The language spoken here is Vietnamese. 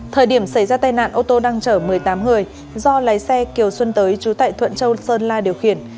thời điểm xảy ra tai nạn ô tô đang chở một mươi tám người do lái xe kiều xuân tới chú tại thuận châu sơn la điều khiển